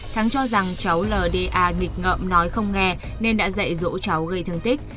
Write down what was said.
thắng cho rằng cháu lda nghịch ngợm nói không nghe nên đã dạy dỗ cháu gây thương tích